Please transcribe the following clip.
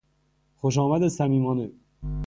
خوشآمد صمیمانه